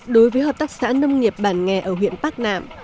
đối với hợp tác xã nông nghiệp bản nghề ở huyện bắc nạm